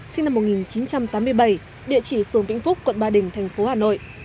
sinh năm một nghìn chín trăm tám mươi bảy địa chỉ phường vĩnh phúc quận ba đình thành phố hà nội